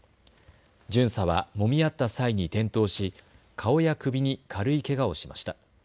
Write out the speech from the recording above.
巡査はもみ合った際に転倒し顔や首に軽いけがをしました。